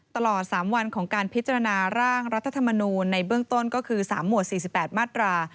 ตลอดสามวันของการพิจารณาร่างรัฐธรรมนูลในเบื้องต้นก็คือสามหมวดสี่สิบแปดมาตรา